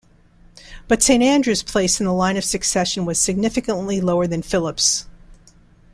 But Saint Andrews' place in the line of succession was significantly lower than Phillips'.